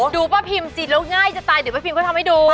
ดูป้าพิมกินแล้วง่ายจะตายเดี๋ยวป้าพิมก็ทำให้ดู